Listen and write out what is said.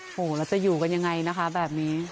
โอ้โหแล้วจะอยู่กันยังไงนะคะแบบนี้